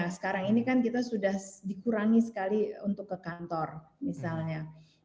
sekarang ini kan kita sudah dikurangi sekali untuk ke kantor misalnya